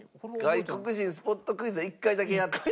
外国人スポットクイズは１回だけやった。